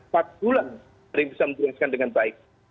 pak gulang yang bisa menjelaskan dengan baik